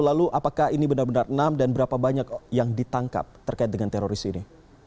lalu apakah ini benar benar enam dan berapa banyak yang ditangkap terkait dengan teroris ini